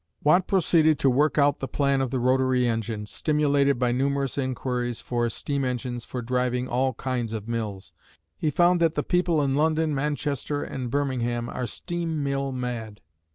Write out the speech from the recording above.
Watt proceeded to work out the plan of the rotary engine, stimulated by numerous inquiries for steam engines for driving all kinds of mills. He found that "the people in London, Manchester and Birmingham are steam mill mad."